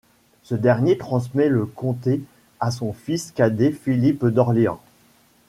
Ce dernier transmet le comté à son fils cadet Philippe d'Orléans.